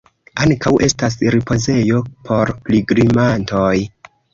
Ankaŭ estas ripozejo por pilgrimantoj.